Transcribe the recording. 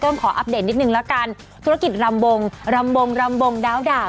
ก็ขออัปเดตนิดหนึ่งแล้วกันธุรกิจลำบงลำบงลำบงดาวดาว